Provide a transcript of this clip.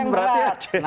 unter kita disini